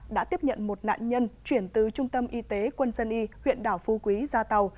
đã tiếp nhận một nạn nhân chuyển từ trung tâm y tế quân dân y huyện đảo phu quý ra tàu